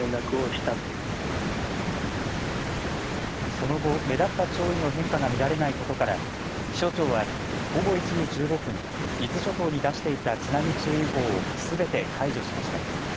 その後、目立った潮位の変化が見られないことから気象庁は午後１時１５分、伊豆諸島に出していた津波注意報をすべて解除しました。